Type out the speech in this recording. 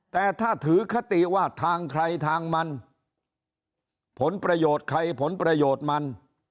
แต่ถ้าถือคติว่าทางใครทางมันผลประโยชน์ใครผลประโยชน์มัน